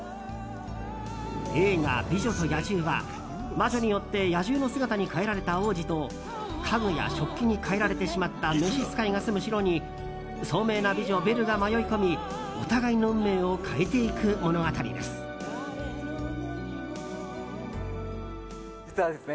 映画「美女と野獣」は魔女によって野獣の姿に変えられた王子と家具や食器に変えられてしまった召使が住む城に聡明な美女ベルが迷い込みお互いの運命を変えていく物語です。